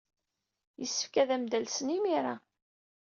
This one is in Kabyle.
Yessefk ad am-d-alsen imir-a.